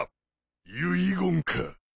遺言か。